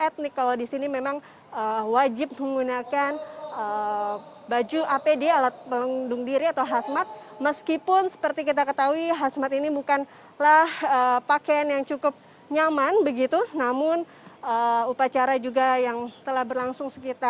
jika di tempat lainnya menggunakan baju